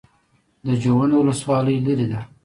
د جوند ولسوالۍ لیرې ده